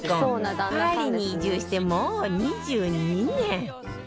パリに移住してもう２２年